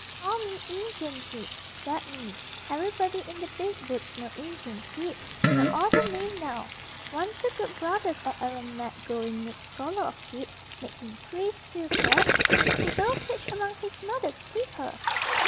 "Call me 'Injun Pete', zat me. Everybody in de beeg Woods know Injun Pete. No odder name now. Once ze good Brodders at Aramac goin' make scholar of Pete, make heem priest, too, p'r'aps. He go teach among he's mudder's people.